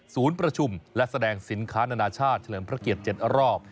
ประชุมและแสดงสินค้านานาชาติเฉลิมพระเกียรติ๗รอบ